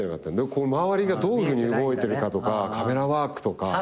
周りがどういうふうに動いてるとかカメラワークとか。